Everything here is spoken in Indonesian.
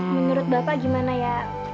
menurut bapak gimana ya